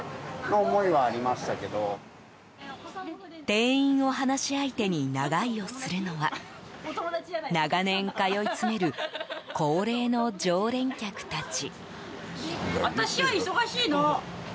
店員を話し相手に長居をするのは長年通い詰める高齢の常連客たち。